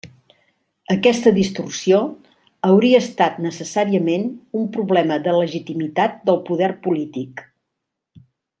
Aquesta distorsió hauria estat necessàriament un problema de legitimitat del poder polític.